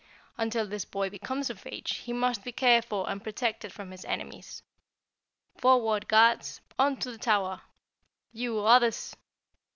"Until this boy becomes of age he must be cared for and protected from his enemies. Forward, guards! On to the Tower! You OTHERS!"